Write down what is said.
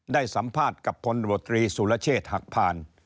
ได้สัมภาษณ์กับพลวตรีสุรเชษฐ์หักผ่าน